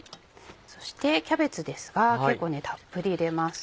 そしてキャベツですが結構たっぷり入れます。